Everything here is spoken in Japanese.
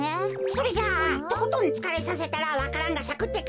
それじゃあとことんつかれさせたらわか蘭がさくってか？